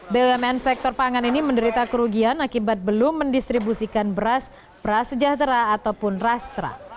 bumn sektor pangan ini menderita kerugian akibat belum mendistribusikan beras prasejahtera ataupun rastra